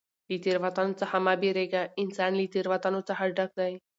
له تېروتنو څخه مه بېرېږه! انسان له تېروتنو څخه ډګ دئ.